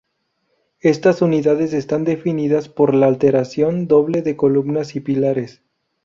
Estas unidades están definidas por la alteración "doble" de columnas y pilares.